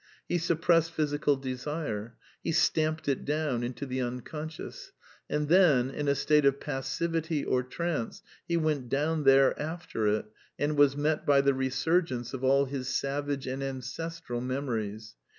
He suppressed physi cal desire ; he stamped it down into the Unconscious ; and then, in a state of passivity or trance, he went down there after it, and was met by the resurgence of all his savage and ancestral memories.